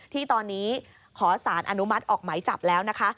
ที่ตอนนี้ขอสารอนุมัติออกไหมจับแล้วนะคะ